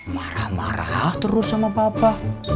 marah marah terus sama papa